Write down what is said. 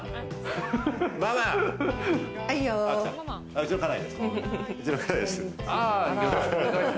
うちの家内です。